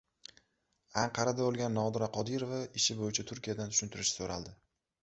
Anqarada o‘lgan Nodira Qodirova ishi bo‘yicha Turkiyadan tushuntirish so‘raldi